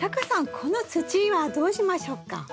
この土はどうしましょうか？